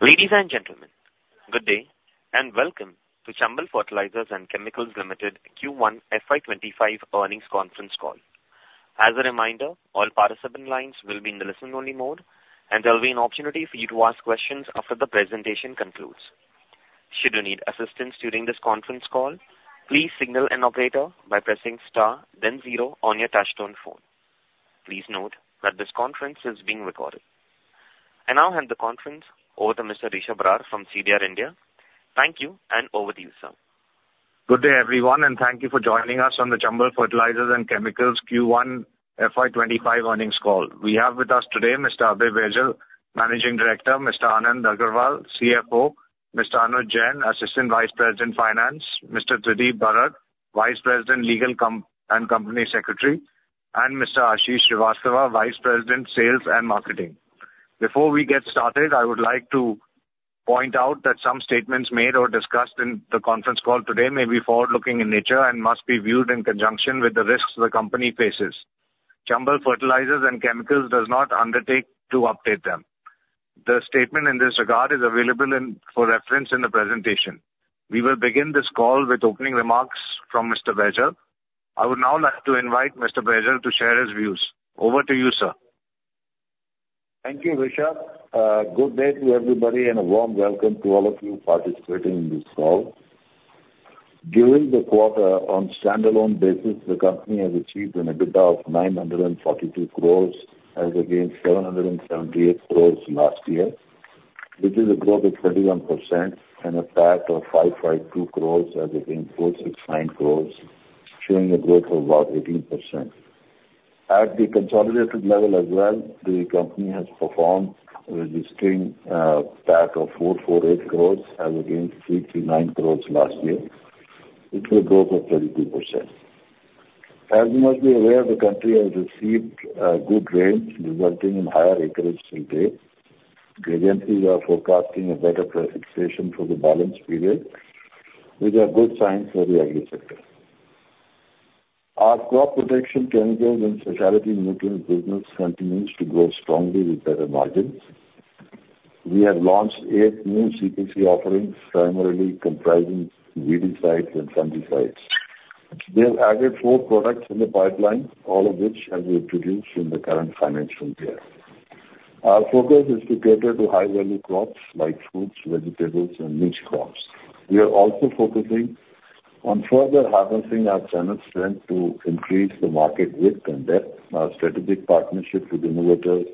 Ladies and gentlemen, good day, and welcome to Chambal Fertilisers and Chemicals Limited Q1 FY 2025 earnings conference call. As a reminder, all participant lines will be in the listen-only mode, and there will be an opportunity for you to ask questions after the presentation concludes. Should you need assistance during this conference call, please signal an operator by pressing star then zero on your touchtone phone. Please note that this conference is being recorded. I now hand the conference over to Mr. Rishab Barar from CDR India. Thank you, and over to you, sir. Good day, everyone, and thank you for joining us on the Chambal Fertilisers and Chemicals Q1 FY 2025 earnings call. We have with us today Mr. Abhay Baijal, Managing Director; Mr. Anand Agarwal, CFO; Mr. Anuj Jain, Assistant Vice President, Finance; Mr. Tridib Barat, Vice President, Legal and Company Secretary; and Mr. Ashish Srivastava, Vice President, Sales and Marketing. Before we get started, I would like to point out that some statements made or discussed in the conference call today may be forward-looking in nature and must be viewed in conjunction with the risks the company faces. Chambal Fertilisers and Chemicals does not undertake to update them. The statement in this regard is available in the presentation, for reference. We will begin this call with opening remarks from Mr. Baijal. I would now like to invite Mr. Baijal to share his views. Over to you, sir. Thank you, Rishab. Good day to everybody, and a warm welcome to all of you participating in this call. During the quarter, on standalone basis, the company has achieved an EBITDA of 942 crore as against 778 crore last year, which is a growth of 31% and a PAT of 552 crore as against 469 crore, showing a growth of about 18%. At the consolidated level as well, the company has performed, registering PAT of 448 crore as against 339 crore last year, which will grow to 32%. As you must be aware, the country has received good rains, resulting in higher acreage intake. Agencies are forecasting a better precipitation for the balance period, which are good signs for the Agri sector. Our crop protection chemicals and specialty nutrients business continues to grow strongly with better margins. We have launched 8 new CPC offerings, primarily comprising herbicides and fungicides. We have added 4 products in the pipeline, all of which have been introduced in the current financial year. Our focus is to cater to high-value crops like fruits, vegetables and niche crops. We are also focusing on further harnessing our channel strength to increase the market width and depth. Our strategic partnership with innovators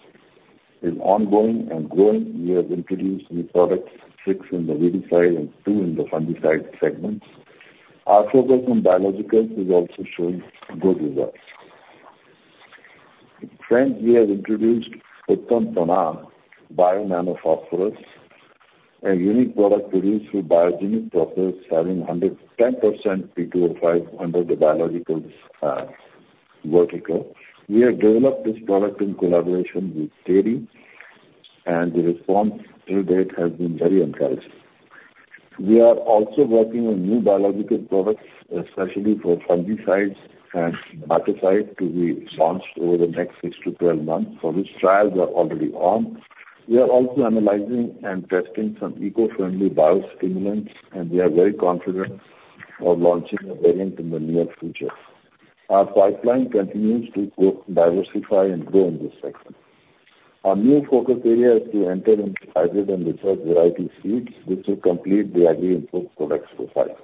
is ongoing and growing. We have introduced new products, 6 in the herbicide and 2 in the fungicide segments. Our focus on biologicals is also showing good results. Recently, we have introduced Uttam Pranaam Bio Nano Phosphorus, a unique product produced through biogenic process, having 100% P2O5 under the biological vertical. We have developed this product in collaboration with TERI, and the response till date has been very encouraging. We are also working on new biological products, especially for fungicides and bactericides, to be launched over the next 6-12 months, for which trials are already on. We are also analyzing and testing some eco-friendly biostimulants, and we are very confident of launching a variant in the near future. Our pipeline continues to grow, diversify and grow in this section. Our new focus area is to enter into hybrid and research variety seeds, which will complete the Agri input products profile.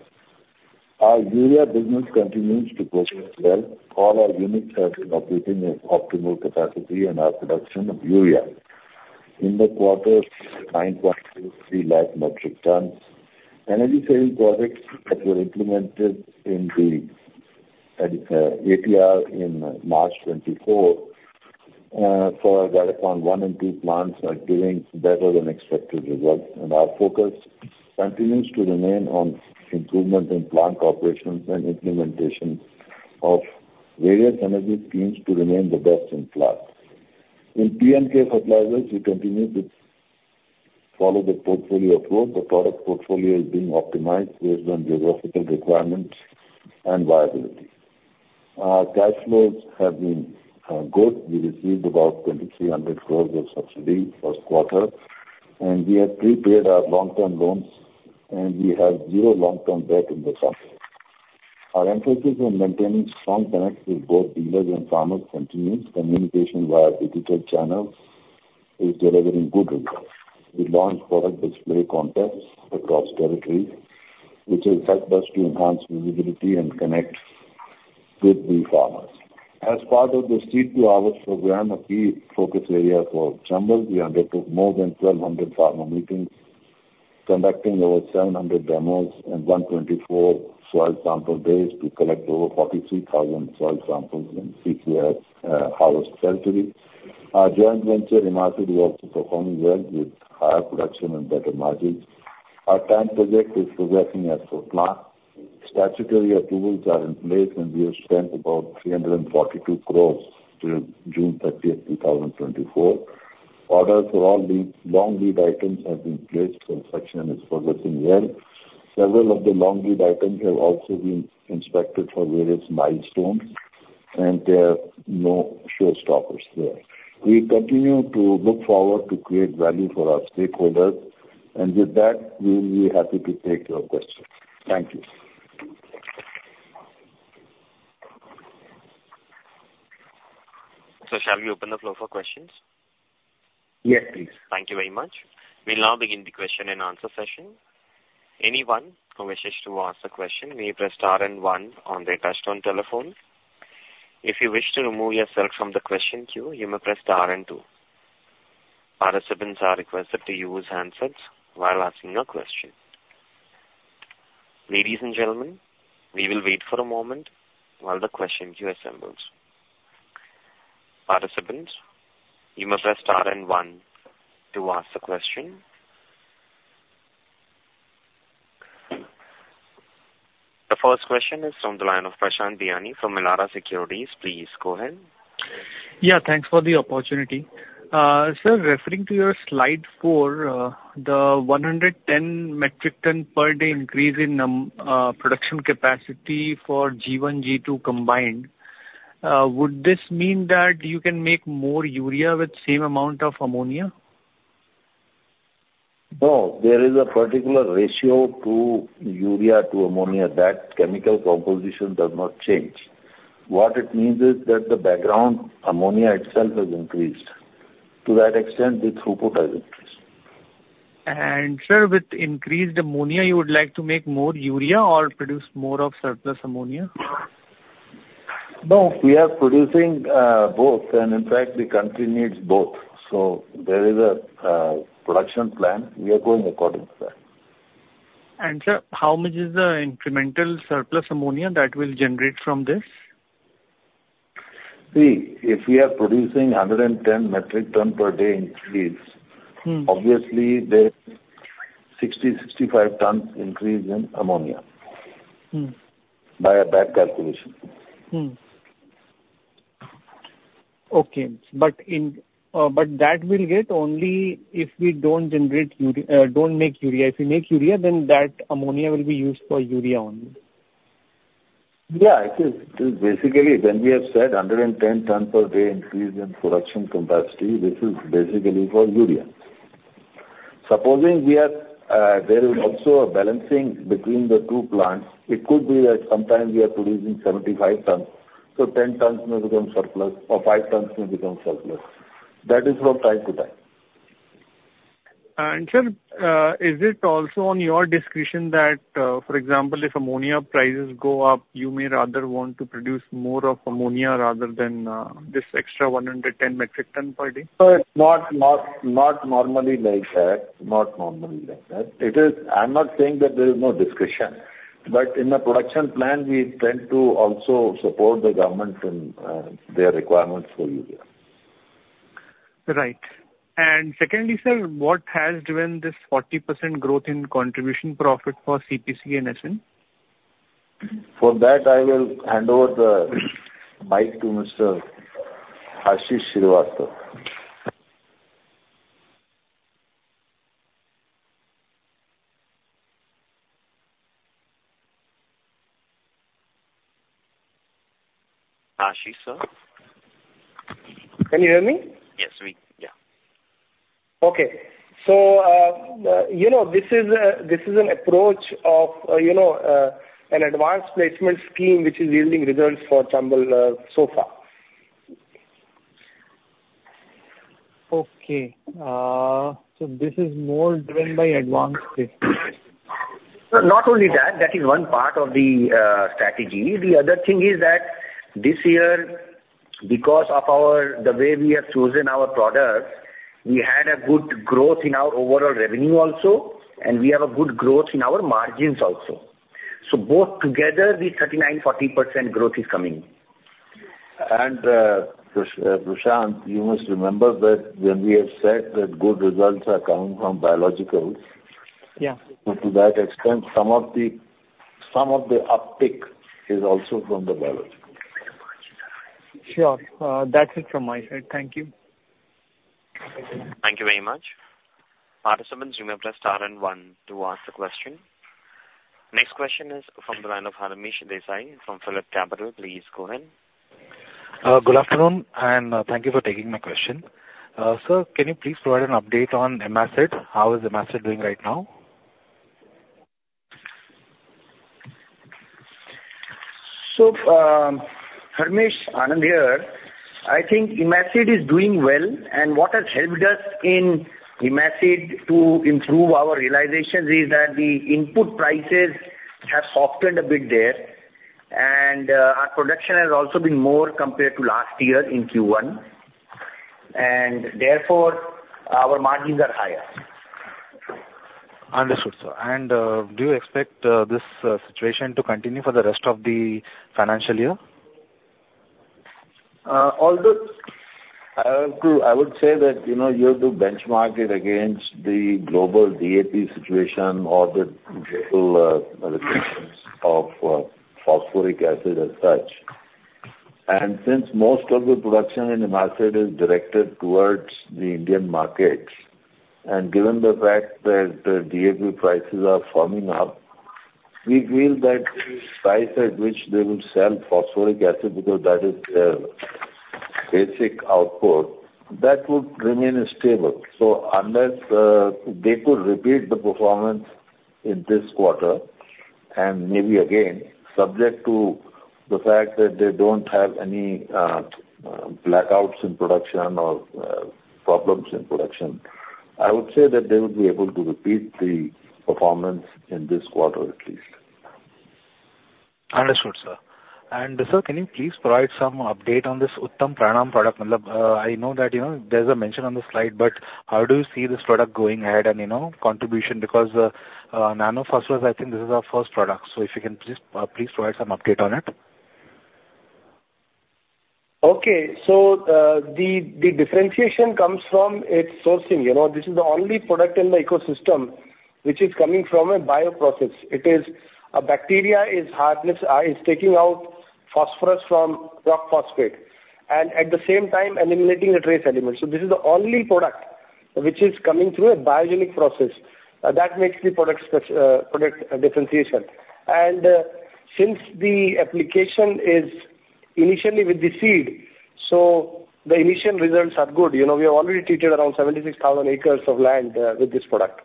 Our urea business continues to progress well. All our units are operating at optimal capacity, and our production of urea in the quarter is 923,000 metric tons. Energy saving projects that were implemented in the ATR in March 2024 for our Gadepan-I and II plants are giving better than expected results, and our focus continues to remain on improvement in plant operations and implementation of various energy schemes to remain the best in class. In P&K Fertilizers, we continue to follow the portfolio approach. The product portfolio is being optimized based on geographical requirements and viability. Our cash flows have been good. We received about 2,300 crore of subsidy first quarter, and we have prepaid our long-term loans, and we have 0 long-term debt in the company. Our emphasis on maintaining strong connects with both dealers and farmers continues. Communication via digital channels is delivering good results. We launched product display contests across territories, which has helped us to enhance visibility and connect with the farmers. As part of the Seed to Harvest program, a key focus area for Chambal, we undertook more than 1,200 farmer meetings, conducting over 700 demos and 124 soil sample days to collect over 43,000 soil samples in UKS harvest territory. Our joint venture IMACID is also performing well, with higher production and better margins. Our TAN project is progressing as per plan. Statutory approvals are in place, and we have spent about 342 crore through June 30, 2024. Orders for all long lead items have been placed. Construction is progressing well. Several of the long lead items have also been inspected for various milestones, and there are no showstoppers there. We continue to look forward to create value for our stakeholders, and with that, we will be happy to take your questions. Thank you. Shall we open the floor for questions? Yes, please. Thank you very much. We'll now begin the question and answer session. Anyone who wishes to ask a question may press star and one on their touchtone telephone. If you wish to remove yourself from the question queue, you may press star and two. Participants are requested to use handsets while asking a question. Ladies and gentlemen, we will wait for a moment while the question queue assembles. Participants, you may press star and one to ask the question. The first question is on the line of Prashant Biyani from Elara Securities. Please go ahead. Yeah, thanks for the opportunity. Sir, referring to your slide 4, the 110 metric ton per day increase in production capacity for G-1, G-2 combined, would this mean that you can make more urea with same amount of ammonia? No, there is a particular ratio to urea to ammonia. That chemical composition does not change. What it means is that the background ammonia itself has increased. To that extent, the throughput has increased. Sir, with increased ammonia, you would like to make more urea or produce more of surplus ammonia? No, we are producing both, and in fact, the country needs both. So there is a production plan. We are going according to that. Sir, how much is the incremental surplus ammonia that will generate from this? See, if we are producing 110 metric ton per day increase. Obviously, there's 60 to 65 tons increase in ammonia. By a back calculation. Okay. But that we'll get only if we don't generate urea, don't make urea. If we make urea, then that ammonia will be used for urea only. Yeah, it is. Basically, when we have said 110 tons per day increase in production capacity, this is basically for urea. Supposing we are, there is also a balancing between the two plants, it could be that sometimes we are producing 75 tons, so 10 tons may become surplus or 5 tons may become surplus. That is from time to time. Sir, is it also on your discretion that, for example, if ammonia prices go up, you may rather want to produce more of ammonia rather than this extra 110 metric ton per day? No, it's not normally like that. Not normally like that. It is. I'm not saying that there is no discussion, but in the production plan, we tend to also support the government in their requirements for urea. Right. Secondly, sir, what has driven this 40% growth in contribution profit for CPC & SN? For that, I will hand over the mic to Mr. Ashish Srivastava. Ashish, sir? Can you hear me? Yes, we... Yeah. Okay. So, you know, this is an approach of, you know, an advanced placement scheme which is yielding results for Chambal, so far. Okay. So this is more driven by advanced placement? Sir, not only that, that is one part of the strategy. The other thing is that this year, because of our, the way we have chosen our products, we had a good growth in our overall revenue also, and we have a good growth in our margins also. So both together, the 39% to 40% growth is coming. Prashant, you must remember that when we have said that good results are coming from biologicals- Yeah. So to that extent, some of the, some of the uptick is also from the biological. Sure. That's it from my side. Thank you. Thank you very much. Participants, you may press star and one to ask the question. Next question is from the line of Harmish Desai from PhillipCapital. Please go ahead. Good afternoon, and thank you for taking my question. Sir, can you please provide an update on IMACID? How is IMACID doing right now? So, Harmish, Anand here. I think IMACID is doing well, and what has helped us in IMACID to improve our realizations is that the input prices have softened a bit there, and our production has also been more compared to last year in Q1. And therefore, our margins are higher. Understood, sir. Do you expect this situation to continue for the rest of the financial year? Although I have to, I would say that, you know, you have to benchmark it against the global DAP situation or the global allocations of phosphoric acid as such. And since most of the production in IMACID is directed towards the Indian market. And given the fact that the DAP prices are firming up, we feel that the price at which they will sell phosphoric acid, because that is their basic output, that would remain stable. So unless they could repeat the performance in this quarter, and maybe again, subject to the fact that they don't have any blackouts in production or problems in production, I would say that they would be able to repeat the performance in this quarter, at least. Understood, sir. Sir, can you please provide some update on this Uttam Pranaam product? I know that, you know, there's a mention on the slide, but how do you see this product going ahead and, you know, contribution? Because Nano Phosphorus, I think this is our first product. So if you can please provide some update on it. Okay. So, the differentiation comes from its sourcing. You know, this is the only product in the ecosystem which is coming from a bioprocess. It is a bacteria is hardness, is taking out phosphorus from rock phosphate, and at the same time eliminating the trace elements. So this is the only product which is coming through a biogenic process, that makes the product spec, product differentiation. And, since the application is initially with the seed, so the initial results are good. You know, we have already treated around 76,000 acres of land, with this product.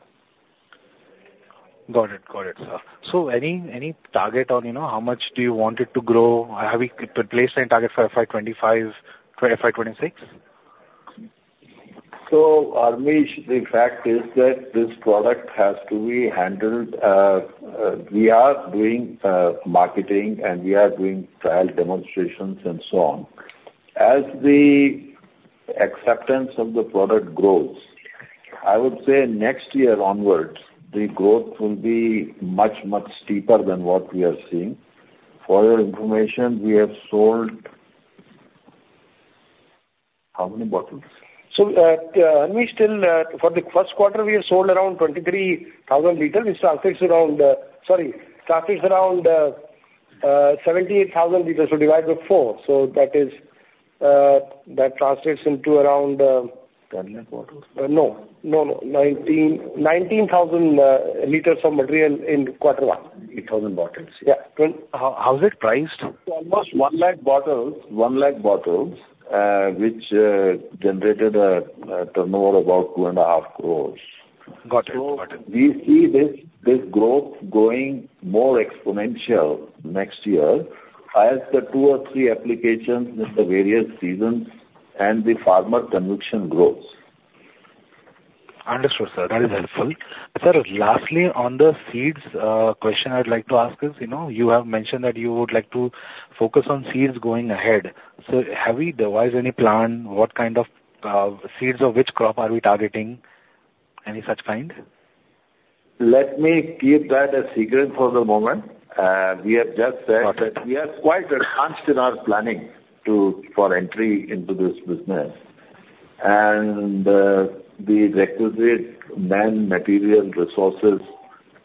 Got it. Got it, sir. So any, any target on, you know, how much do you want it to grow? Have we placed any target for FY 2025, FY 2026? So, Amish, the fact is that this product has to be handled. We are doing marketing, and we are doing trial demonstrations, and so on. As the acceptance of the product grows, I would say next year onwards, the growth will be much, much steeper than what we are seeing. For your information, we have sold. How many bottles? So, we still, for the first quarter, we have sold around 23,000 liters, which translates around, sorry, translates around, 78,000 liters, so divide by four. So that is, that translates into around, 10 lakh bottles? No. No, no. 19,000 liters of material in quarter one. 8,000 bottles. Yeah. How is it priced? Almost 100,000 bottles, 100,000 bottles, which generated a turnover about 2.5 crore. Got it. Got it. We see this, this growth going more exponential next year, as the two or three applications in the various seasons and the farmer conviction grows. Understood, sir. That is helpful. Sir, lastly, on the seeds, question I'd like to ask is, you know, you have mentioned that you would like to focus on seeds going ahead. So have we devised any plan? What kind of, seeds or which crop are we targeting? Any such kind? Let me keep that a secret for the moment. We have just said Got it. that we are quite advanced in our planning to for entry into this business. And the requisite man, material, resources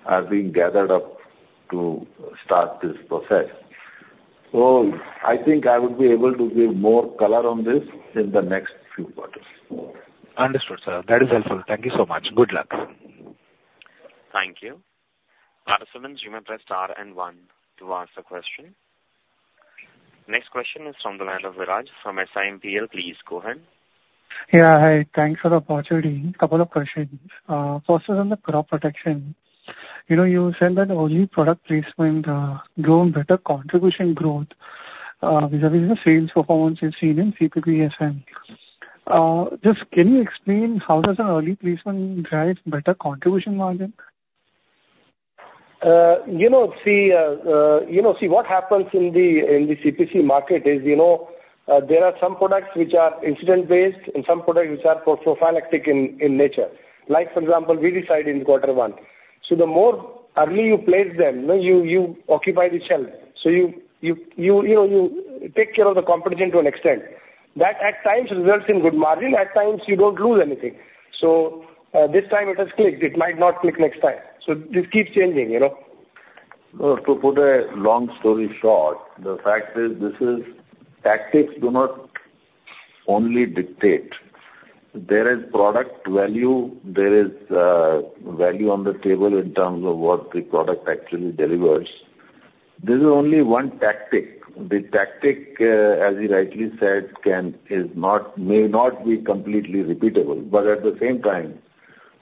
are being gathered up to start this process. So I think I would be able to give more color on this in the next few quarters. Understood, sir. That is helpful. Thank you so much. Good luck. Thank you. Participants, you may press star and one to ask the question. Next question is from the line of Viraj from SiMPL. Please go ahead. Yeah, hi. Thanks for the opportunity. Couple of questions. First is on the crop protection. You know, you said that only product placement grown better contribution growth vis-à-vis the sales performance is seen in CPC & SN. Just can you explain how does an early placement drives better contribution margin? You know, see, what happens in the, in the CPC market is, you know, there are some products which are incidence-based and some products which are prophylactic in nature. Like, for example, we decide in quarter one. So the more early you place them, you know, you take care of the competition to an extent. That at times results in good margin, at times you don't lose anything. So, this time it has clicked. It might not click next time. So this keeps changing, you know? To put a long story short, the fact is, this is. Tactics do not only dictate. There is product value, there is value on the table in terms of what the product actually delivers. This is only one tactic. The tactic, as you rightly said, is not, may not be completely repeatable, but at the same time,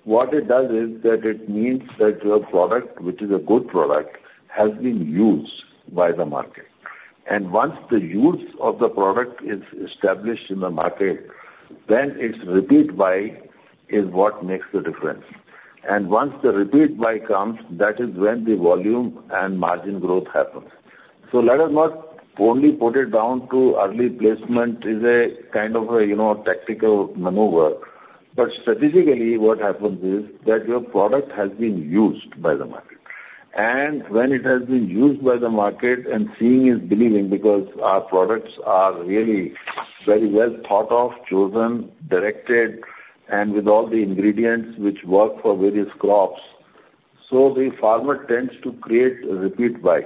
what it does is, that it means that your product, which is a good product, has been used by the market. And once the use of the product is established in the market, then its repeat buy is what makes the difference. And once the repeat buy comes, that is when the volume and margin growth happens. So let us not only put it down to early placement is a kind of a, you know, tactical maneuver. But strategically, what happens is that your product has been used by the market. When it has been used by the market, and seeing is believing, because our products are really very well thought of, chosen, directed, and with all the ingredients which work for various crops. The farmer tends to create a repeat buy,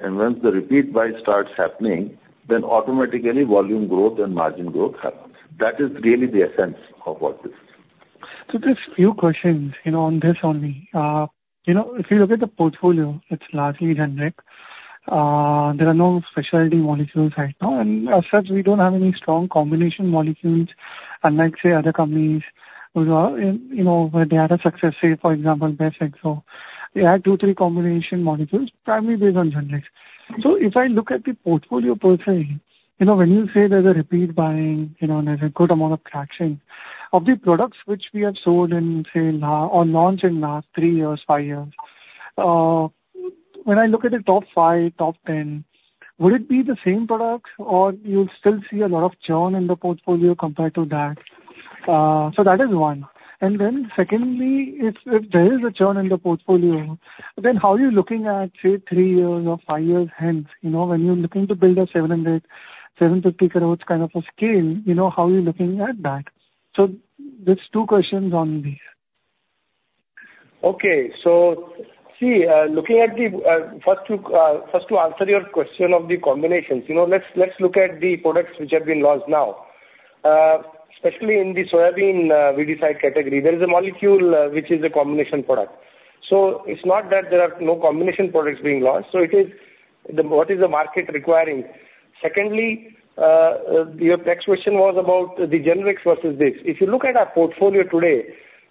and once the repeat buy starts happening, then automatically volume growth and margin growth happens. That is really the essence of what this is. So just few questions, you know, on this only. You know, if you look at the portfolio, it's largely generic. There are no specialty molecules right now, and as such, we don't have any strong combination molecules, unlike, say, other companies who are, you, you know, where they had a success, say, for example, BASF Exponus. They had two, three combination molecules, primarily based on generics. So if I look at the portfolio per se, you know, when you say there's a repeat buying, you know, there's a good amount of traction. Of the products which we have sold in, say, now, or launched in last three years, five years, when I look at the top five, top 10, would it be the same products, or you'll still see a lot of churn in the portfolio compared to that? So that is one. And then secondly, if there is a churn in the portfolio, then how are you looking at, say, 3 years or 5 years hence, you know, when you're looking to build a 700 to 750 crores kind of a scale, you know, how are you looking at that? So just two questions on this. Okay. So see, looking at the first to answer your question of the combinations, you know, let's look at the products which have been launched now. Especially in the soybean pesticide category, there is a molecule which is a combination product. So it's not that there are no combination products being launched, so it is what the market is requiring. Secondly, your next question was about the generics versus this. If you look at our portfolio today,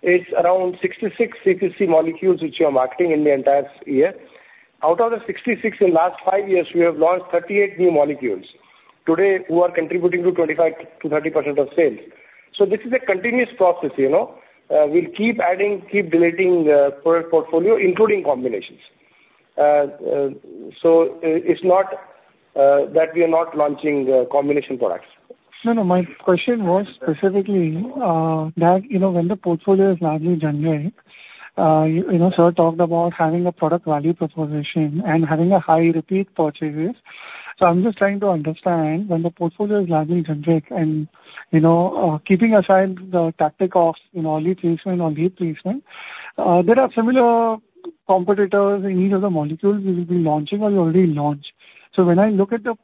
it's around 66 CPC molecules, which we are marketing in the entire year. Out of the 66, in last five years, we have launched 38 new molecules. Today, we are contributing to 25% to 30% of sales. So this is a continuous process, you know? We'll keep adding, keep deleting, product portfolio, including combinations. So it's not that we are not launching combination products. No, no. My question was specifically, that, you know, when the portfolio is largely generic, you know, sir talked about having a product value proposition and having a high repeat purchases. So I'm just trying to understand, when the portfolio is largely generic and, you know, keeping aside the tactic of, you know, early placement or late placement, there are similar competitors in each of the molecules we will be launching or you already launched. So when I look at the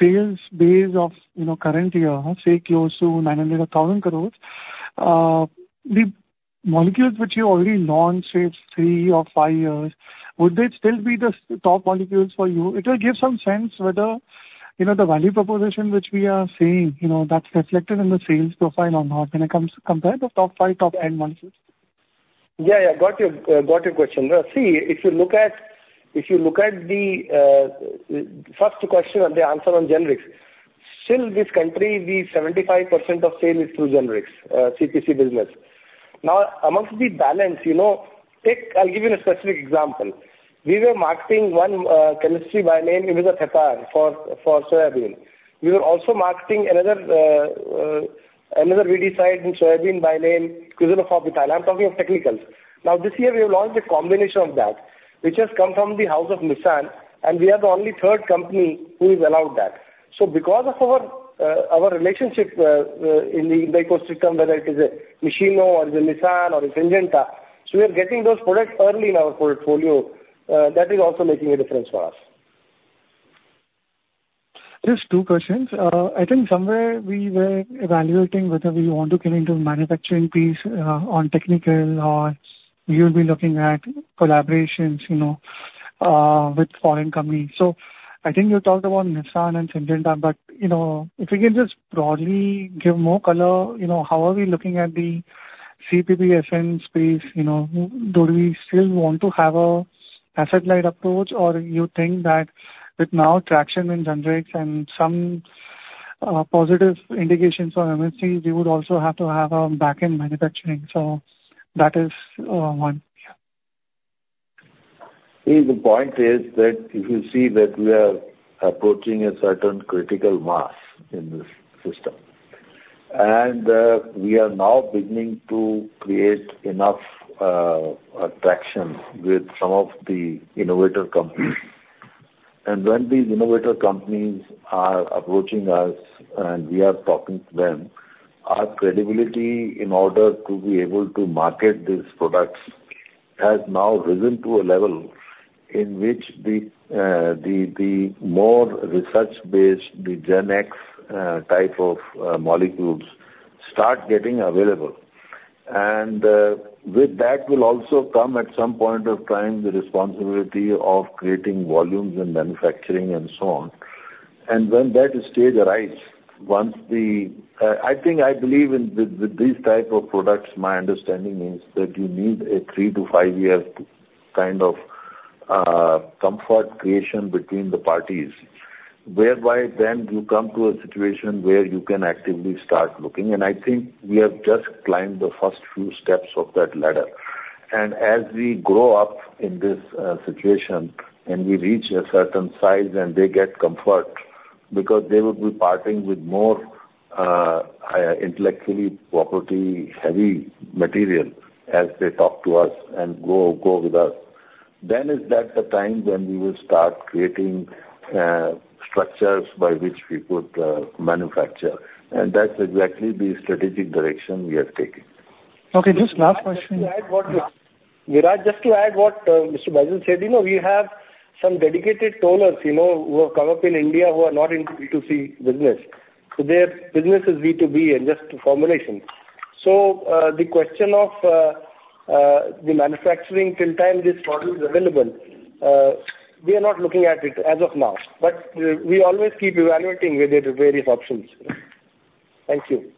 sales base of, you know, current year, say close to 900 or 1,000 crores, the molecules which you already launched, say, three or five years, would they still be the top molecules for you? It will give some sense whether, you know, the value proposition which we are seeing, you know, that's reflected in the sales profile or not, when it comes- compare the top five, top-end molecules. Yeah, yeah. Got your question. See, if you look at the first question and the answer on generics, still this country, the 75% of sale is through generics, CPC business. Now, amongst the balance, you know, take... I'll give you a specific example. We were marketing one chemistry by name Imidacloprid, for soybean. We were also marketing another pesticide in soybean by name Chlorantraniliprole. I'm talking of technicals. Now, this year we have launched a combination of that, which has come from the house of Nissan, and we are the only third company who is allowed that. So because of our relationship in the ecosystem, whether it is a Nichino or it's a Nissan or it's Syngenta, so we are getting those products early in our portfolio. That is also making a difference for us. Just two questions. I think somewhere we were evaluating whether we want to come into the manufacturing piece, on technical or you'll be looking at collaborations, you know, with foreign companies. So I think you talked about Nissan and Syngenta, but, you know, if you can just broadly give more color, you know, how are we looking at the CPP & SN space? You know, do we still want to have a asset-light approach? Or you think that with now traction in generics and some, positive indications on MSC, we would also have to have a backend manufacturing. So that is, one, yeah. See, the point is that if you see that we are approaching a certain critical mass in this system, and, we are now beginning to create enough, attraction with some of the innovator companies. And when these innovator companies are approaching us, and we are talking to them, our credibility in order to be able to market these products has now risen to a level in which the more research-based, the Gen-Next type of molecules start getting available. And, with that will also come, at some point of time, the responsibility of creating volumes and manufacturing and so on. And when that stage arrives, once the... I think I believe in with these type of products, my understanding is that you need a 3 to 5-year kind of comfort creation between the parties, whereby then you come to a situation where you can actively start looking. And I think we have just climbed the first few steps of that ladder. And as we grow up in this situation and we reach a certain size, and they get comfort, because they will be parting with more intellectual property-heavy material as they talk to us and go with us. then is that the time when we will start creating structures by which we could manufacture? That's exactly the strategic direction we are taking. Okay, just last question. Viraj, just to add what Mr. Baijal said, you know, we have some dedicated tollers, you know, who have come up in India who are not into B2C business. So their business is B2B and just formulation. So, the question of the manufacturing, till time this product is available, we are not looking at it as of now, but we always keep evaluating with the various options. Thank you.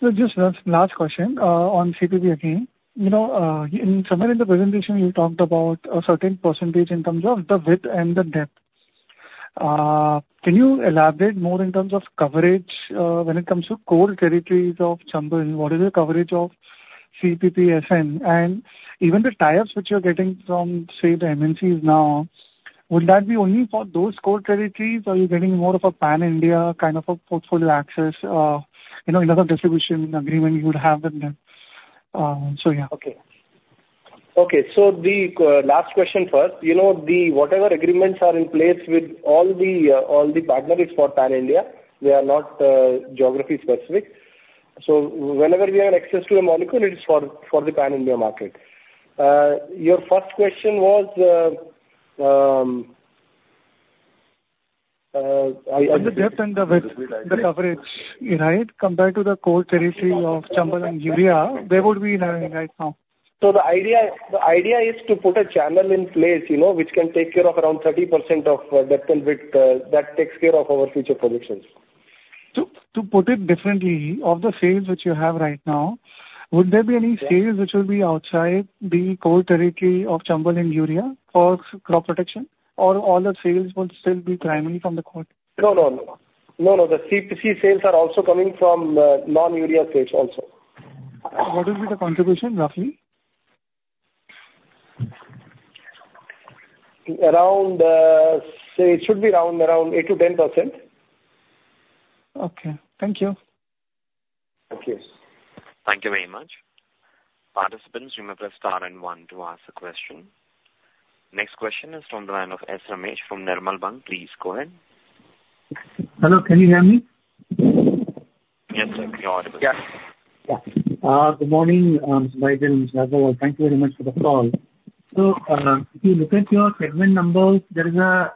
So just last question, on CPP & SN. You know, in somewhere in the presentation you talked about a certain percentage in terms of the width and the depth. Can you elaborate more in terms of coverage, when it comes to core territories of Chambal, what is the coverage of CPP & SN? And even the tie-ups which you're getting from, say, the MNCs now, would that be only for those core territories, or are you getting more of a pan-India kind of a portfolio access? You know, another distribution agreement you would have with them. So yeah. Okay. Okay, so the last question first. You know, the whatever agreements are in place with all the, all the partners is for pan-India. They are not geography specific. So whenever we have access to a molecule, it is for the pan-India market. Your first question was, The depth and the width, the coverage, right? Compared to the core territory of Chambal and urea, where would we be learning right now? So the idea, the idea is to put a channel in place, you know, which can take care of around 30% of depth and width that takes care of our future productions. To put it differently, of the sales which you have right now, would there be any sales which will be outside the core territory of Chambal and urea for crop protection? Or all the sales would still be primarily from the core? No, no, no. No, no, the CPC sales are also coming from non-urea sales also. What is the contribution, roughly? Around, say it should be around, around 8% to 10%. Okay. Thank you. Thank you. Thank you very much. Participants, remember, press star and one to ask a question. Next question is from the line of S. Ramesh from Nirmal Bang. Please go ahead. Hello, can you hear me? Yes, sir, we hear you. Yes. Good morning, Mr. Baijal. Thank you very much for the call. So, if you look at your segment numbers, there is a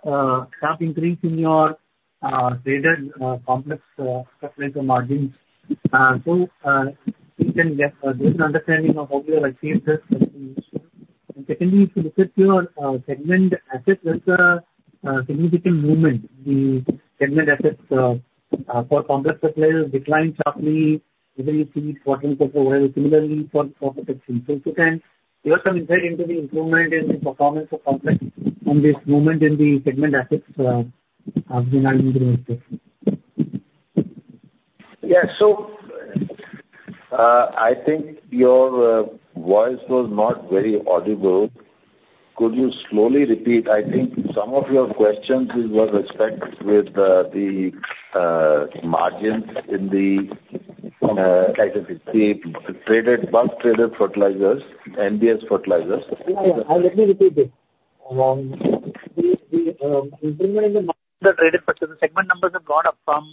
sharp increase in your traded complex fertilizer margins. So, if you can get a basic understanding of how you have achieved this? And secondly, if you look at your segment assets, there's a significant movement in segment assets for complex fertilizers declined sharply, whether you see it quarter-on-quarter, similarly for crop protection. So if you can give some insight into the improvement in the performance of complex and this movement in the segment assets, as well. Yeah. So, I think your voice was not very audible. Could you slowly repeat? I think some of your questions it was respect with the margins in the The traded, bulk traded fertilizers, NBS fertilizers. Yeah, yeah. Let me repeat it. The improvement in the traded segment numbers have gone up from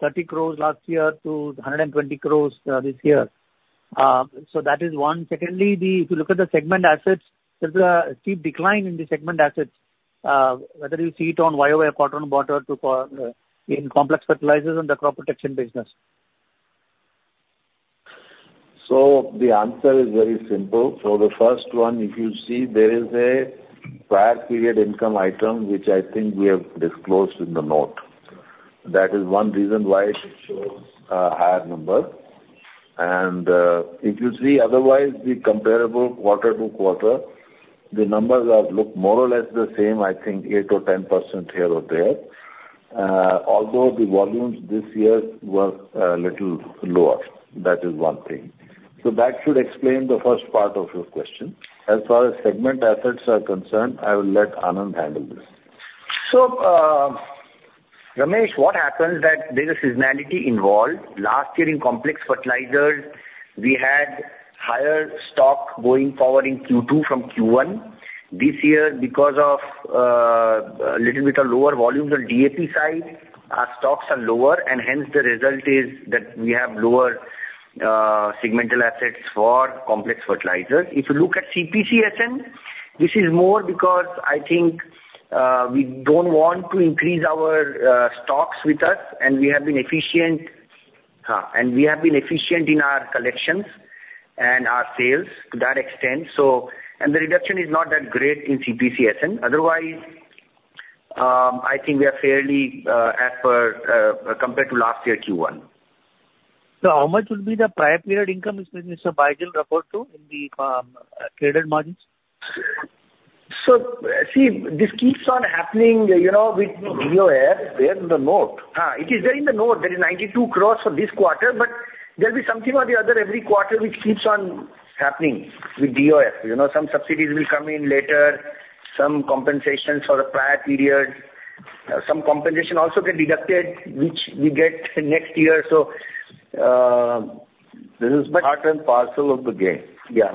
30 crore last year to 120 crore this year. So that is one. Secondly, if you look at the segment assets, there's a steep decline in the segment assets, whether you see it on year-over-year, quarter-on-quarter, in complex fertilizers and the crop protection business. So the answer is very simple. So the first one, if you see there is a prior period income item, which I think we have disclosed in the note. That is one reason why it shows a higher number. And, if you see otherwise, the comparable quarter-to-quarter, the numbers have looked more or less the same, I think 8% or 10% here or there. Although the volumes this year were little lower, that is one thing. So that should explain the first part of your question. As far as segment assets are concerned, I will let Anand handle this. So, Ramesh, what happens that there is a seasonality involved. Last year in complex fertilizers, we had higher stock going forward in Q2 from Q1. This year, because of a little bit of lower volumes on DAP side, our stocks are lower, and hence the result is that we have lower segmental assets for complex fertilizers. If you look at CPC & SN, this is more because I think we don't want to increase our stocks with us, and we have been efficient and we have been efficient in our collections and our sales to that extent. So... And the reduction is not that great in CPC & SN. Otherwise, I think we are fairly as per compared to last year, Q1. How much would be the prior period income, which Mr. Baijal referred to in the traded margins? See, this keeps on happening, you know, with DOF. There in the note. It is there in the note. There is 92 crore for this quarter, but there'll be something or the other every quarter, which keeps on happening with DOF. You know, some subsidies will come in later, some compensations for the prior periods. Some compensation also get deducted, which we get next year. So, this is part and parcel of the game. Yeah.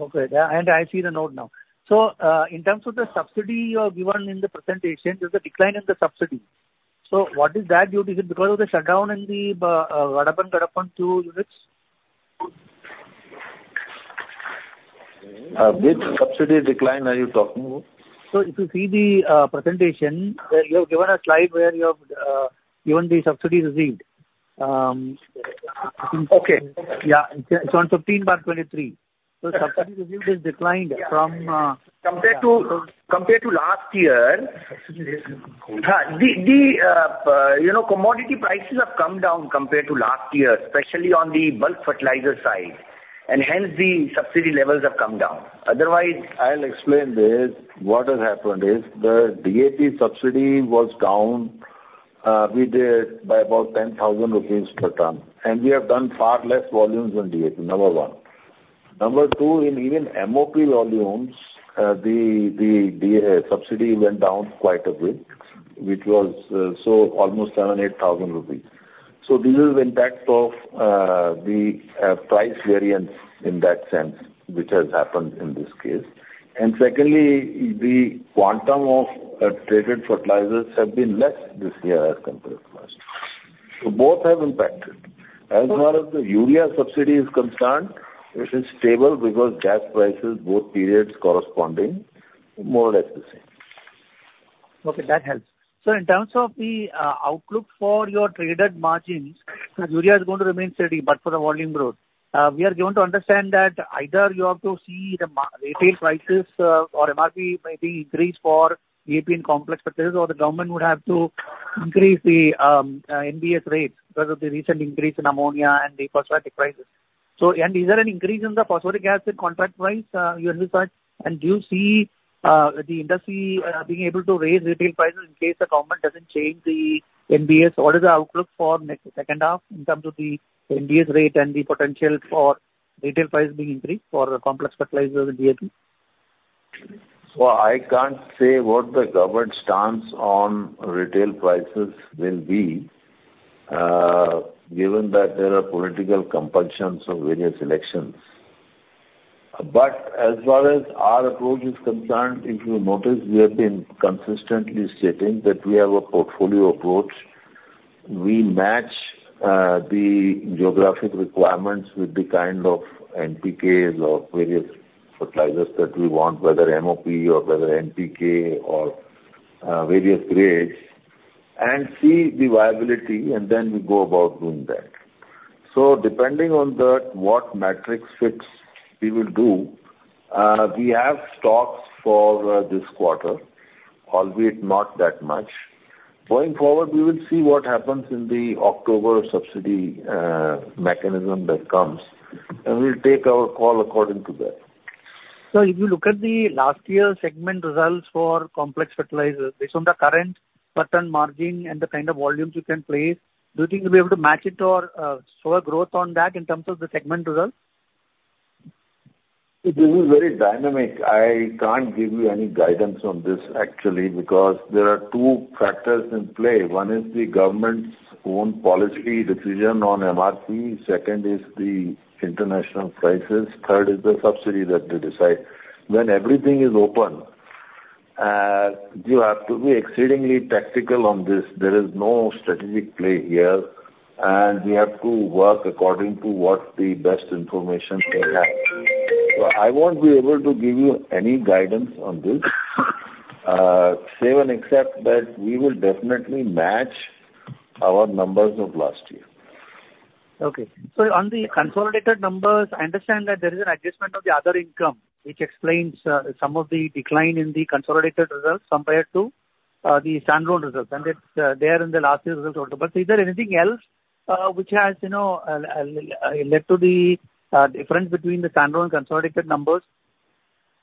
Okay. Yeah, and I see the note now. So, in terms of the subsidy you have given in the presentation, there's a decline in the subsidy. So what is that due to? Is it because of the shutdown in the Gadepan II units? Which subsidy decline are you talking about? So if you see the presentation, where you have given a slide where you have given the subsidies received, Okay. Yeah, it's on 15 bar 23. So subsidy received is declined from, Compared to last year You know, commodity prices have come down compared to last year, especially on the bulk fertilizer side, and hence the subsidy levels have come down. Otherwise I'll explain this. What has happened is, the DAP subsidy was down, we did by about 10,000 rupees per ton, and we have done far less volumes on DAP, number one. Number two, in even MOP volumes, the subsidy went down quite a bit, which was, so almost 7,000 rupees to 8,000. So this is impact of, the price variance in that sense, which has happened in this case. And secondly, the quantum of, traded fertilizers have been less this year as compared to last year. So both have impacted. As far as the urea subsidy is concerned, it is stable because gas prices, both periods corresponding, more or less the same. Okay, that helps. Sir, in terms of the outlook for your traded margins, urea is going to remain steady, but for the volume growth. We are going to understand that either you have to see the retail prices, or MRP may be increased for DAP and complex, but this is all the government would have to increase the NBS rates because of the recent increase in ammonia and the phosphoric prices. So, and is there an increase in the phosphoric acid contract price you anticipate? And do you see the industry being able to raise retail prices in case the government doesn't change the NBS? What is the outlook for next second half in terms of the NBS rate and the potential for retail prices being increased for the complex fertilizers and DAP? Well, I can't say what the government stance on retail prices will be, given that there are political compulsions of various elections. But as far as our approach is concerned, if you notice, we have been consistently stating that we have a portfolio approach. We match the geographic requirements with the kind of NPKs or various fertilizers that we want, whether MOP or whether NPK or various grades, and see the viability, and then we go about doing that. So depending on the what metric fits, we will do. We have stocks for this quarter, albeit not that much. Going forward, we will see what happens in the October subsidy mechanism that comes, and we'll take our call according to that. So if you look at the last year's segment results for complex fertilizers, based on the current pattern margin and the kind of volumes you can play, do you think you'll be able to match it or slower growth on that in terms of the segment results? This is very dynamic. I can't give you any guidance on this, actually, because there are two factors in play. One is the government's own policy decision on MRP. Second is the international prices. Third is the subsidy that they decide. When everything is open, you have to be exceedingly tactical on this. There is no strategic play here, and we have to work according to what the best information we have. So I won't be able to give you any guidance on this, save and except that we will definitely match our numbers of last year. Okay. So on the consolidated numbers, I understand that there is an adjustment of the other income, which explains some of the decline in the consolidated results compared to the standalone results, and it's there in the last year's results also. But is there anything else which has, you know, led to the difference between the standalone and consolidated numbers?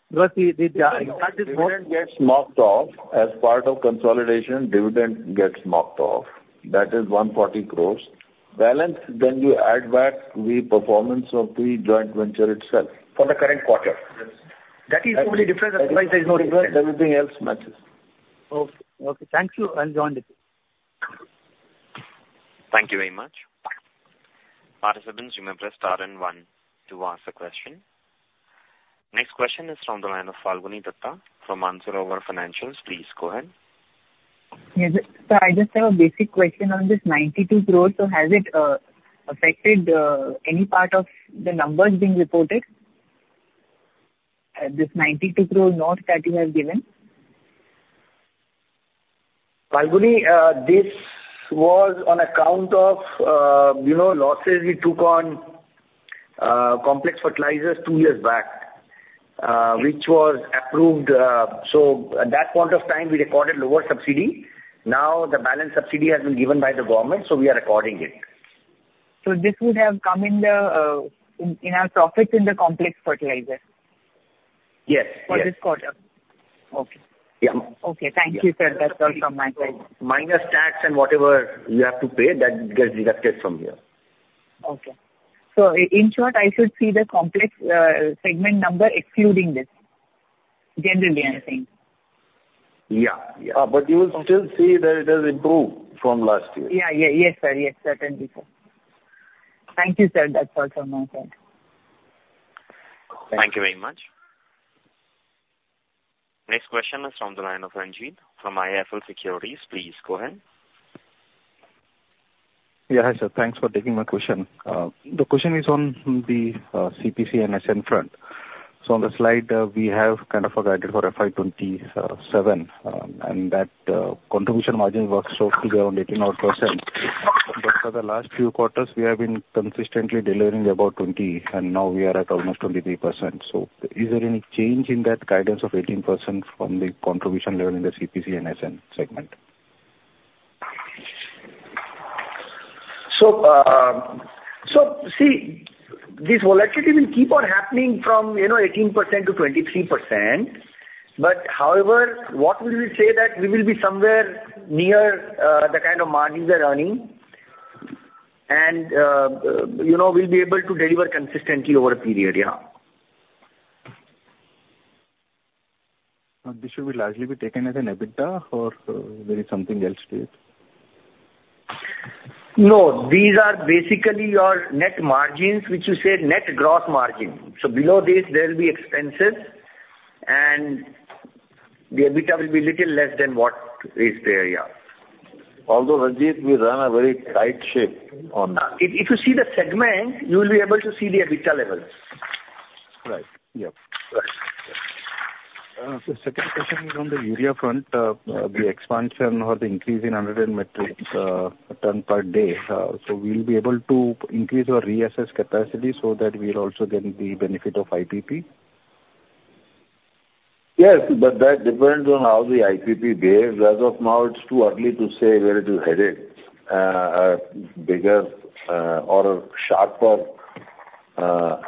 Because this Dividend gets marked off. As part of consolidation, dividend gets marked off. That is 140 crores. Balance, then you add back the performance of the joint venture itself. For the current quarter. Yes. That is the only difference, otherwise there is no difference. Everything else matches. Okay. Thank you. I'll join the call. Thank you very much. Participants, remember star and one to ask a question. Next question is from the line of Falguni Dutta from Mansarovar Financials. Please go ahead. Yes. Sir, I just have a basic question on this 92 crore. So has it affected any part of the numbers being reported? This 92 crore note that you have given. Falguni, this was on account of, you know, losses we took on complex fertilizers two years back, which was approved. So at that point of time, we recorded lower subsidy. Now, the balance subsidy has been given by the government, so we are recording it. So this would have come in the in our profits in the complex fertilizer? Yes, yes. For this quarter. Okay. Yeah. Okay, thank you, sir. That's all from my side. Minus tax and whatever you have to pay, that gets deducted from here. Okay. So in short, I should see the complex segment number excluding this, generally, I think? Yeah, yeah. But you will still see that it has improved from last year. Yeah, yeah. Yes, sir. Yes, certainly, sir. Thank you, sir. That's all from my side. Thank you very much. Next question is from the line of Ranjit, from IIFL Securities. Please go ahead. Yeah, hi, sir. Thanks for taking my question. The question is on the CPC & SN front. So on the slide, we have kind of a guidance for FY 2027, and that contribution margin works out to be around 18% odd. But for the last few quarters, we have been consistently delivering about 20, and now we are at almost 23%. So is there any change in that guidance of 18% from the contribution level in the CPC & SN segment? So, so see, this volatility will keep on happening from, you know, 18% to 23%. But however, what we will say that we will be somewhere near, the kind of margins we are earning, and, you know, we'll be able to deliver consistently over a period, yeah. This should be largely be taken as an EBITDA or, there is something else to it? No, these are basically your net margins, which you said net gross margin. So below this, there will be expenses, and the EBITDA will be little less than what is there, yeah. Although, Ranjit, we run a very tight ship on If you see the segment, you will be able to see the EBITDA levels. Right. Yep. Right. So, second question is on the urea front. The expansion or the increase in 100 metric ton per day, so we'll be able to increase our assessed capacity so that we're also getting the benefit of IPP? Yes, but that depends on how the IPP behaves. As of now, it's too early to say where it will head it. A bigger, or sharper,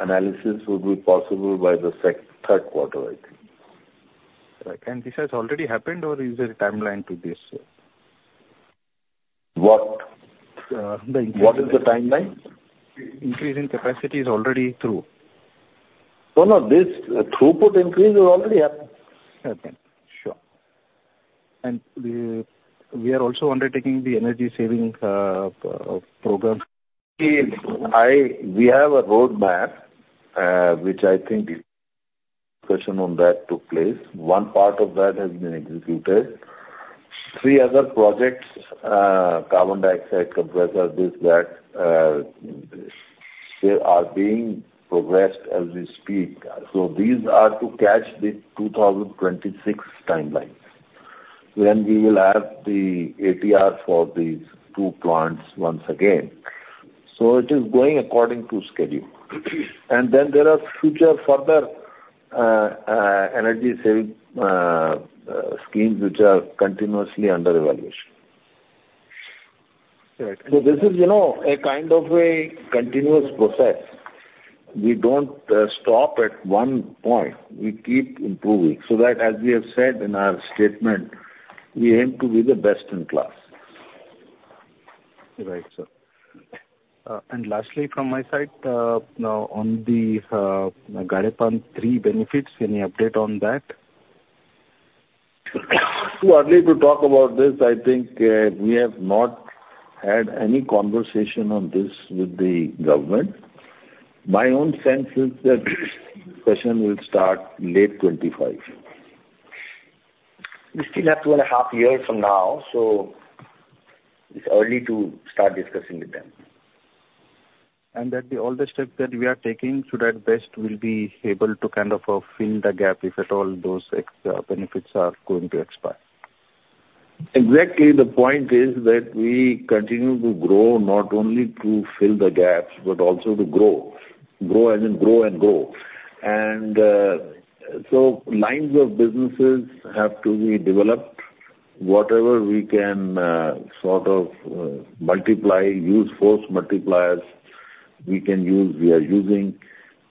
analysis would be possible by the third quarter, I think. Right. And this has already happened, or is there a timeline to this? What? The increase What is the timeline? Increase in capacity is already through. No, no, this throughput increase has already happened. Okay. Sure. We are also undertaking the energy saving program? See, we have a roadmap, which I think discussion on that took place. One part of that has been executed. 3 other projects, carbon dioxide, compressor, this, that, they are being progressed as we speak. So these are to catch the 2026 timelines, when we will have the ATR for these 2 plants once again. So it is going according to schedule. And then there are future further, energy saving, schemes which are continuously under evaluation. Right. So this is, you know, a kind of a continuous process. We don't stop at one point. We keep improving, so that as we have said in our statement, we aim to be the best in class. Right, sir. And lastly, from my side, now, on the Gadepan-III benefits, any update on that? Too early to talk about this. I think, we have not had any conversation on this with the government. My own sense is that discussion will start late 2025. We still have two and a half years from now, so it's early to start discussing with them. And that all the steps that we are taking, so that best we'll be able to kind of fill the gap, if at all those benefits are going to expire. Exactly. The point is that we continue to grow not only to fill the gaps, but also to grow. Grow as in grow and go. And, so lines of businesses have to be developed. Whatever we can, sort of, multiply, use force multipliers we can use, we are using.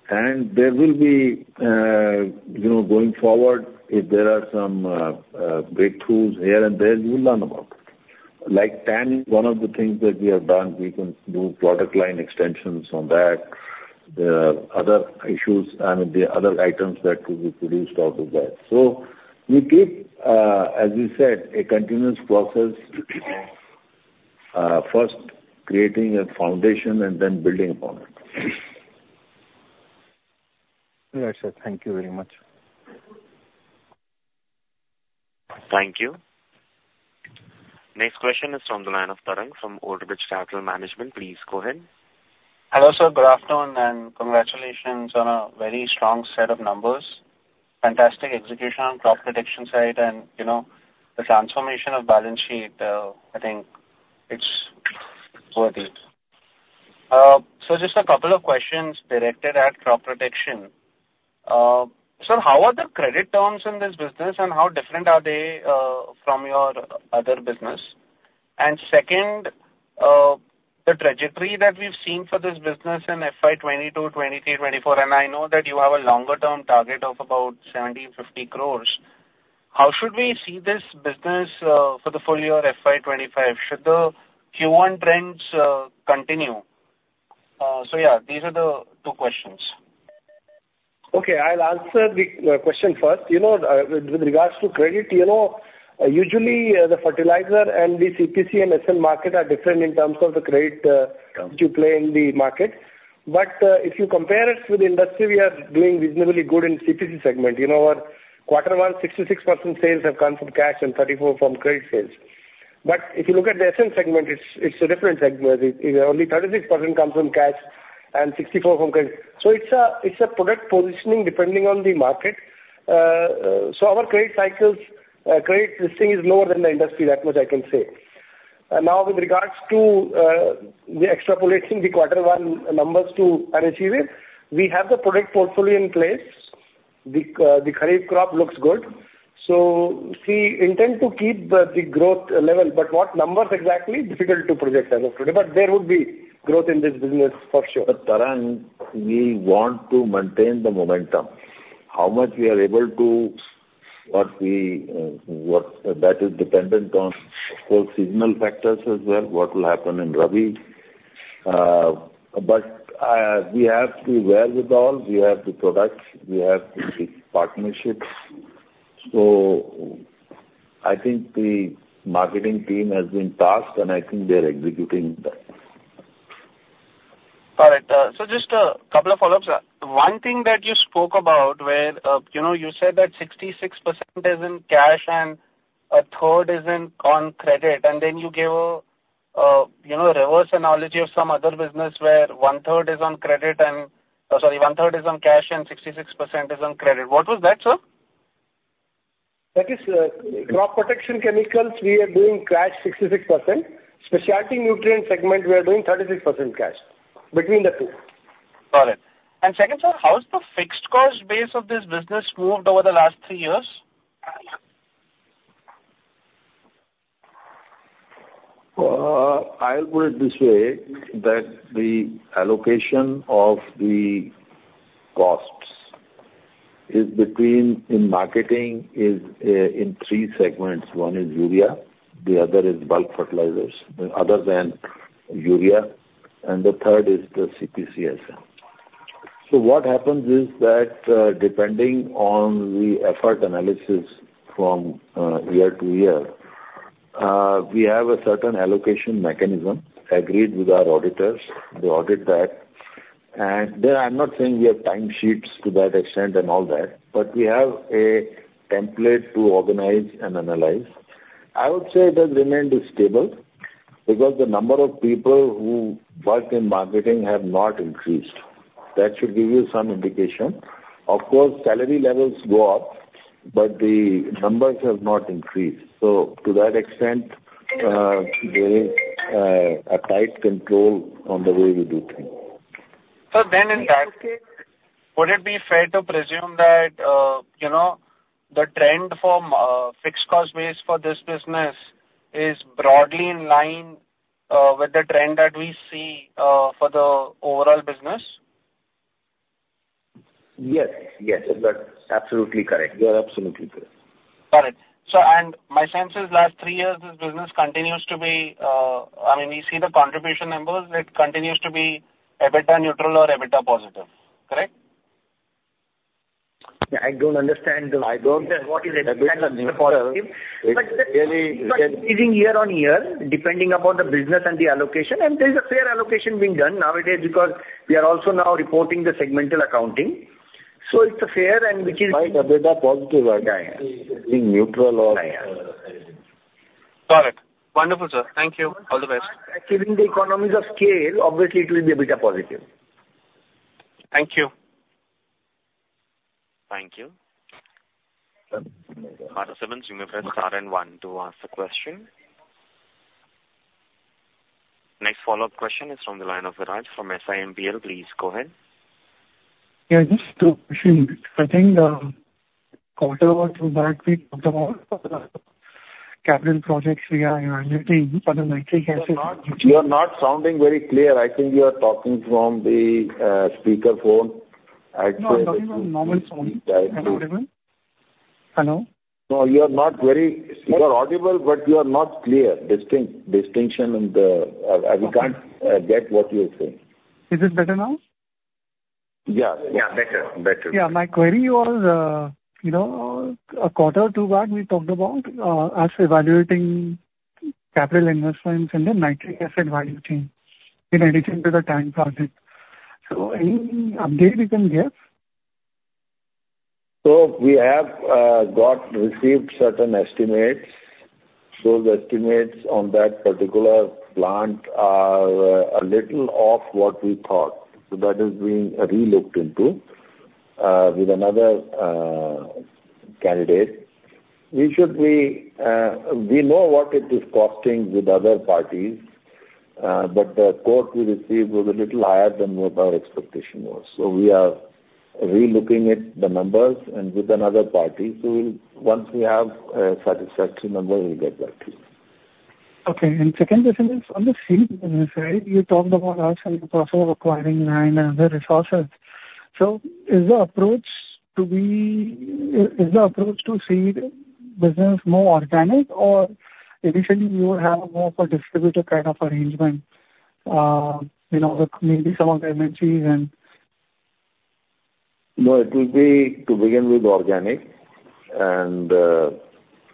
And there will be, you know, going forward, if there are some, break tools here and there, you'll learn about it. Like TAN, one of the things that we have done, we can do product line extensions on that, other issues and the other items that could be produced out of that. So we keep, as you said, a continuous process, first creating a foundation and then building upon it. Right, sir. Thank you very much. Thank you. Next question is from the line of Tarang, from Old Bridge Capital Management. Please go ahead. Hello, sir. Good afternoon, and congratulations on a very strong set of numbers. Fantastic execution on crop protection side and, you know, the transformation of balance sheet, I think it's worthy. So just a couple of questions directed at crop protection. Sir, how are the credit terms in this business, and how different are they, from your other business? And second, the trajectory that we've seen for this business in FY 2022, 2023, 2024, and I know that you have a longer-term target of about 75 crore, how should we see this for the full year FY 2025, should the Q1 trends continue? So yeah, these are the two questions. Okay, I'll answer the question first. You know, with regards to credit, you know, usually the fertilizer and the CPC & SN market are different in terms of the credit which you play in the market. But if you compare us with the industry, we are doing reasonably good in CPC segment. You know, our quarter one, 66% sales have come from cash and 34 from credit sales. But if you look at the SN segment, it's a different segment. Only 36% comes from cash and 64 from credit. So it's a product positioning depending on the market. So our credit cycles, credit listing is lower than the industry, that much I can say. Now, with regards to the extrapolating the quarter one numbers to annualize, we have the product portfolio in place. The Kharif crop looks good, so we intend to keep the growth level, but what numbers exactly? Difficult to project as of today, but there would be growth in this business for sure. But Tarang, we want to maintain the momentum. How much we are able to, or we, what, that is dependent on, of course, seasonal factors as well, what will happen in Rabi. But, we have the wherewithal, we have the products, we have the, the partnerships. So I think the marketing team has been tasked, and I think they're executing that. All right, so just a couple of follow-ups. One thing that you spoke about where, you know, you said that 66% is in cash and a third is in, on credit, and then you gave a, you know, reverse analogy of some other business where one third is on credit and, sorry, one third is on cash and 66% is on credit. What was that, sir? That is, Crop Protection Chemicals, we are doing cash 66%. Specialty Nutrients segment, we are doing 36% cash. Between the two. Got it. Second, sir, how has the fixed cost base of this business moved over the last three years? I'll put it this way, that the allocation of the costs is between, in marketing is, in three segments. One is urea, the other is bulk fertilizers, other than urea, and the third is the CPC & SN. So what happens is that, depending on the effort analysis from, year to year, we have a certain allocation mechanism agreed with our auditors. They audit that. And there, I'm not saying we have time sheets to that extent and all that, but we have a template to organize and analyze. I would say it has remained stable, because the number of people who work in marketing have not increased. That should give you some indication. Of course, salary levels go up, but the numbers have not increased. So to that extent, there is, a tight control on the way we do things. So then, in that case, would it be fair to presume that, you know, the trend for fixed cost base for this business is broadly in line with the trend that we see for the overall business? Yes. Yes, that's absolutely correct. You are absolutely correct. Got it. So, and my sense is last three years, this business continues to be, I mean, we see the contribution numbers, it continues to be EBITDA neutral or EBITDA positive, correct? Yeah, I don't understand the I don't What is EBITDA positive? It's really It is year on year, depending upon the business and the allocation, and there's a fair allocation being done nowadays because we are also now reporting the segmental accounting. It's a fair and which is- Quite EBITDA positive, I think. Yeah, yeah. Being neutral or Yeah, yeah. Got it. Wonderful, sir. Thank you. All the best. Achieving the economies of scale, obviously it will be EBITDA positive. Thank you. Thank you. Participants, you may press star and one to ask the question. Next follow-up question is from the line of Viraj from SiMPL. Please go ahead. Yeah, just two questions. I think, quarter or two back, we talked about capital projects we are evaluating for the nitric acid- You're not, you're not sounding very clear. I think you are talking from the, speakerphone. No, I'm talking on normal phone. Am I audible? Hello? No, you are not very What? You are audible, but you are not clear. Distinction in the, we can't get what you are saying. Is it better now? Yeah. Yeah, better. Better. Yeah. My query was, you know, a quarter or two back, we talked about us evaluating capital investments in the nitric acid value chain, in addition to the tank project. So any update you can give? So we have received certain estimates. Those estimates on that particular plant are a little off what we thought. So that is being relooked into with another candidate. We should be, we know what it is costing with other parties, but the quote we received was a little higher than what our expectation was. So we are relooking at the numbers and with another party, so we'll. Once we have a satisfactory number, we'll get back to you. Okay, and second question is on the seed business, right? You talked about us in the process of acquiring nine other resources. So is the approach to seed business more organic, or additionally, you have more of a distributor kind of arrangement, you know, with maybe some of the energies and- No, it will be to begin with organic, and,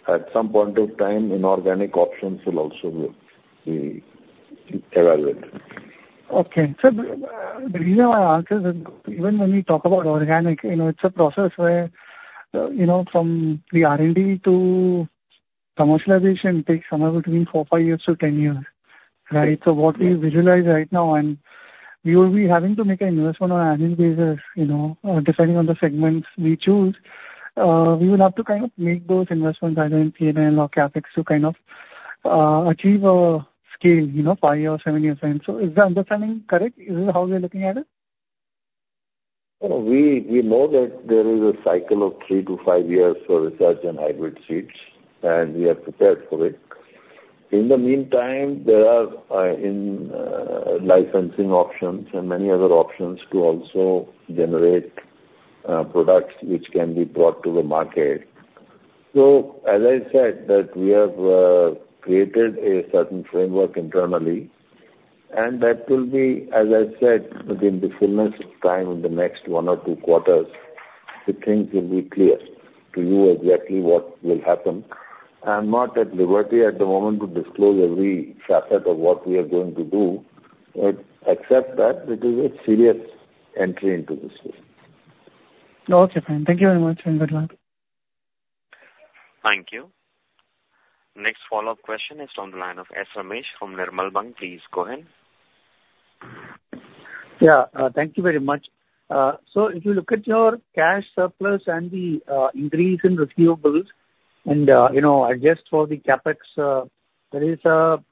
at some point of time, inorganic options will also be evaluated. Okay. So the reason I ask is, even when we talk about organic, you know, it's a process where, you know, from the R&D to commercialization takes somewhere between 4-5 years to 10 years, right? Yes. So what we visualize right now, and we will be having to make an investment on annual basis, you know, depending on the segments we choose. We will have to kind of make those investments either in P&L or CapEx to kind of, achieve a scale, you know, five years, seven years time. So is the understanding correct? Is this how we are looking at it? We know that there is a cycle of three to five years for research and hybrid seeds, and we are prepared for it. In the meantime, there are in-licensing options and many other options to also generate products which can be brought to the market. So as I said, that we have created a certain framework internally, and that will be, as I said, within the fullness of time, in the next one or two quarters, the things will be clear to you exactly what will happen. I am not at liberty at the moment to disclose every facet of what we are going to do, but except that it is a serious entry into this space. Okay, fine. Thank you very much, and good luck. Thank you. Next follow-up question is on the line of S. Ramesh from Nirmal Bang. Please go ahead. Yeah. Thank you very much. So if you look at your cash surplus and the increase in receivables, and you know, adjust for the CapEx, there is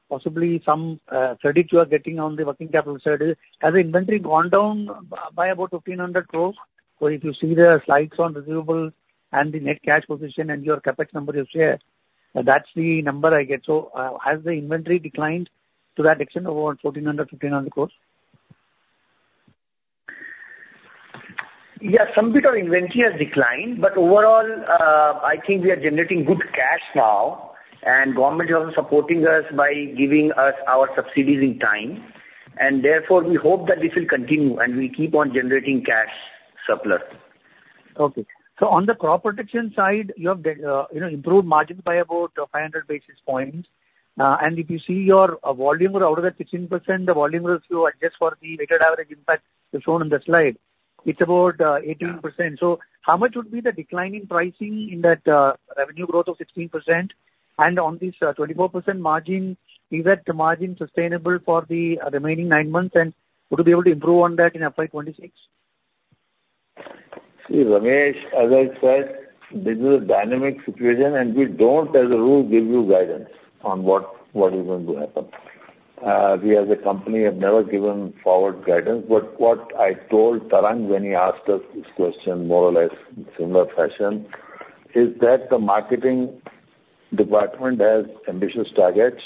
possibly some credit you are getting on the working capital side. Has the inventory gone down by about 1,500 crore? So if you see the slides on receivables and the net cash position and your CapEx number you share, that's the number I get. So, has the inventory declined to that extent of around 1,400, 1,500 crore? Yeah, some bit of inventory has declined, but overall, I think we are generating good cash now, and government is also supporting us by giving us our subsidies in time, and therefore, we hope that this will continue, and we keep on generating cash surplus. Okay. So on the crop protection side, you have, you know, improved margin by about 500 basis points. And if you see your volume out of that 16%, the volume if you adjust for the weighted average impact is shown in the slide, it's about 18%. So how much would be the decline in pricing in that revenue growth of 16%? And on this 24% margin, is that margin sustainable for the remaining nine months, and would you be able to improve on that in FY 2026? See, Ramesh, as I said, this is a dynamic situation, and we don't, as a rule, give you guidance on what is going to happen. We as a company have never given forward guidance, but what I told Tarang when he asked us this question, more or less in similar fashion, is that the marketing department has ambitious targets,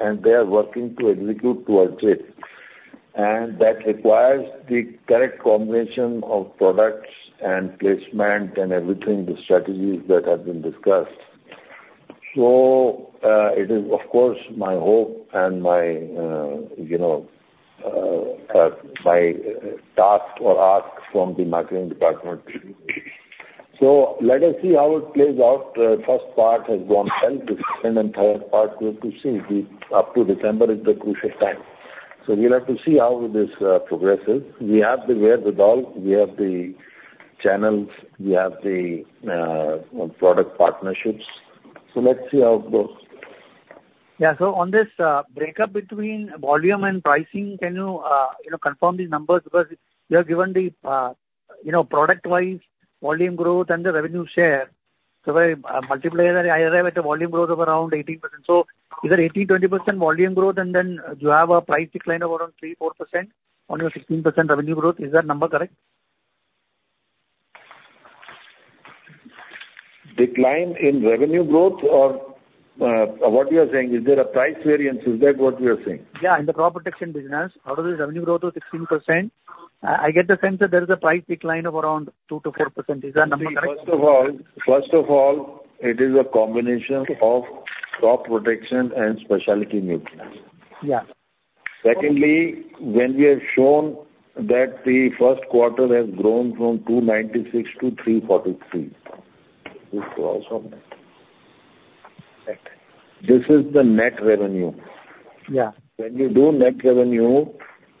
and they are working to execute towards it. And that requires the correct combination of products and placement and everything, the strategies that have been discussed. So, it is, of course, my hope and my, you know, my task or ask from the marketing department. So let us see how it plays out. First part has gone well. The second and third part we have to see. The up to December is the crucial time. So we'll have to see how this progresses. We have the wherewithal, we have the channels, we have the product partnerships. So let's see how it goes. Yeah. So on this breakup between volume and pricing, can you, you know, confirm the numbers? Because you have given the, you know, product wise, volume growth and the revenue share. So by multiplier, I arrive at a volume growth of around 18%. So is it 18% to 20% volume growth, and then you have a price decline of around 3% to to 4% on your 16% revenue growth. Is that number correct? Decline in revenue growth or, what you are saying, is there a price variance? Is that what you are saying? Yeah, in the crop protection business, out of the revenue growth of 16%, I get the sense that there is a price decline of around 2%-4%. Is that number correct? First of all, it is a combination of Crop Protection and Specialty Nutrients. Yeah. Secondly, when we have shown that the first quarter has grown from 296 to 343, this growth of that. Right. This is the net revenue. Yeah. When you do net revenue,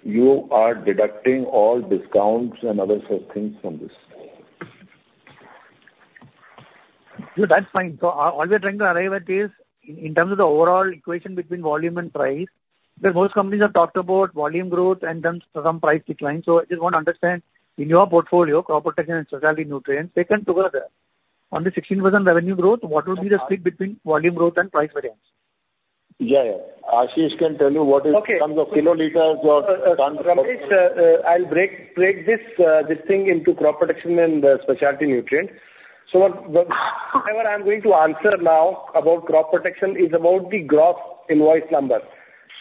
you are deducting all discounts and other such things from this. No, that's fine. So all we're trying to arrive at is, in terms of the overall equation between volume and price, that most companies have talked about volume growth and then some price decline. So I just want to understand, in your portfolio, crop protection and specialty nutrients, taken together, on the 16% revenue growth, what would be the split between volume growth and price variance? Yeah, yeah. Ashish can tell you what is Okay. in terms of kiloliters or Ramesh, I'll break this thing into crop protection and specialty nutrients. So what I am going to answer now about crop protection is about the gross invoice number.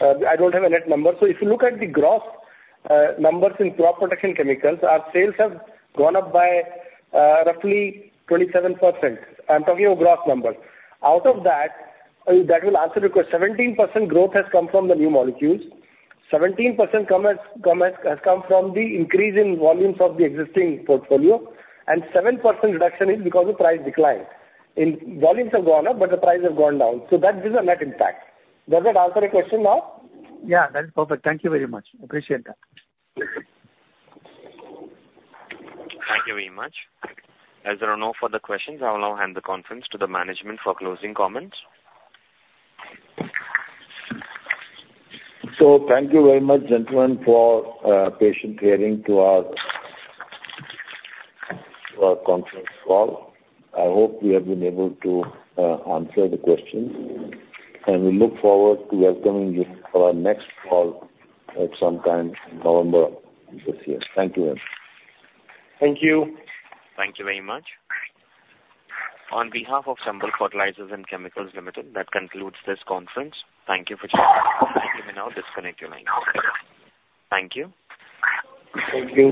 I don't have a net number. So if you look at the gross numbers in crop protection chemicals, our sales have gone up by roughly 27%. I'm talking about gross numbers. Out of that, that will answer because 17% growth has come from the new molecules, 17% has come from the increase in volumes of the existing portfolio, and 7% reduction is because of price decline. In volumes have gone up, but the prices have gone down, so that is a net impact. Does that answer your question now? Yeah, that is perfect. Thank you very much. Appreciate that. Thank you very much. As there are no further questions, I will now hand the conference to the management for closing comments. So thank you very much, gentlemen, for patient hearing to our conference call. I hope we have been able to answer the questions, and we look forward to welcoming you for our next call at some time in November of this year. Thank you again. Thank you. Thank you very much. On behalf of Chambal Fertilisers and Chemicals Limited, that concludes this conference. Thank you for joining us. You may now disconnect your lines. Thank you. Thank you.